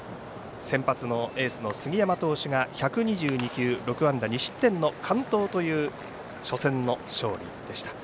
先発のエースの杉山投手が１２２球、６安打２失点の完投という初戦の勝利でした。